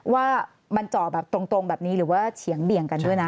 ว่ามันเจาะแบบตรงแบบนี้หรือว่าเฉียงเบี่ยงกันด้วยนะ